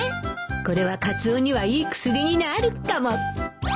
これはカツオにはいい薬になるかも